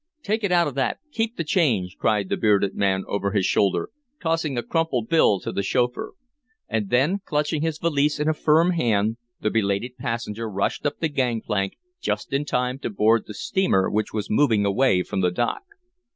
"Take it out of that! Keep the change!" cried the bearded man over his shoulder, tossing a crumpled bill to the chauffeur. And then, clutching his valise in a firm hand, the belated passenger rushed up the gangplank just in time to board the steamer which was moving away from the dock.